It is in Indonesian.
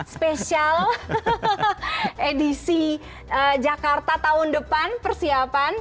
spesial edisi jakarta tahun depan persiapan